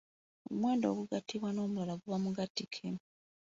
Omuwendo ogugattibwa n’omulala guba Mugattike.